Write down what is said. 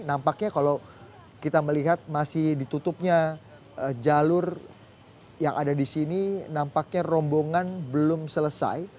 nampaknya kalau kita melihat masih ditutupnya jalur yang ada di sini nampaknya rombongan belum selesai